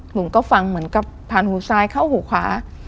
หนูก็ฟังเหมือนกับผ่านหูซ้ายเข้าหูขวา